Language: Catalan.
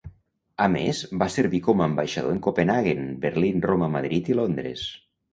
A més, va servir com ambaixador en Copenhaguen, Berlín, Roma, Madrid i Londres.